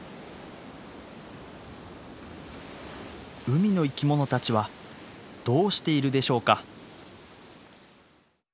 海の生き物たちはどうしているでしょうか。